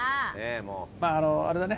まああのあれだね。